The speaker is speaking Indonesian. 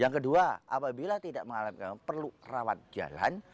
yang kedua apabila tidak mengalami gangguan perlu rawat jalan